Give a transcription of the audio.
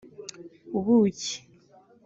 ubuki